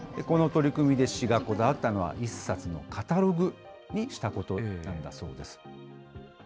この取り組みで、市がこだわったのは１冊のカタログにしたことなんだそうです。